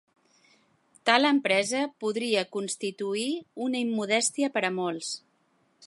Tal empresa podria constituir una immodèstia per a molts.